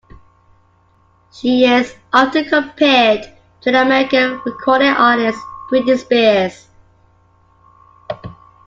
She is often compared to the American recording artist Britney Spears.